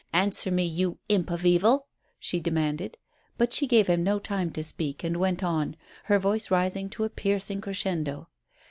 Answer me, you imp of Evil," she demanded. But she gave him no time to speak, and went on, her voice rising to a piercing crescendo.